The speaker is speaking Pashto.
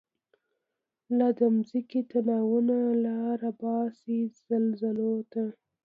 لا د مځکی تناوونه، لاره باسی زلزلوته